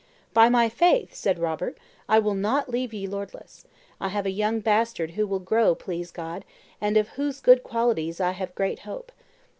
"By my faith," said Robert, "I will not leave ye lordless. I have a young bastard who will grow, please God, and of whose good qualities I have great hope.